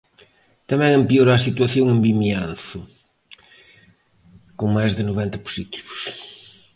Tamén empeora a situación en Vimianzo, con máis de noventa positivos.